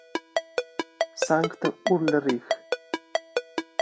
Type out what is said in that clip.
Sankt Ulrich